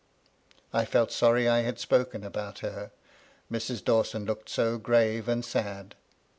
I felt sorry I had spoken about her, Mrs. Dawson looked so grave and sad.